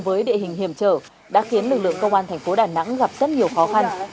với địa hình hiểm trở đã khiến lực lượng công an thành phố đà nẵng gặp rất nhiều khó khăn